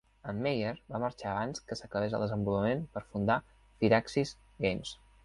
En Meier va marxar abans que s'acabés el desenvolupament per fundar Firaxis Games.